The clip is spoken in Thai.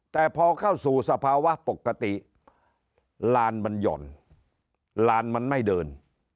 แต่พอเข้าสู่สภาวะปกติลานมันหย่อนลานมันไม่เดิน